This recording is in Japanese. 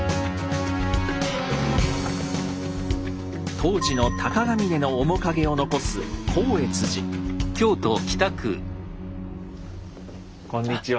当時の鷹峯の面影を残すこんにちは。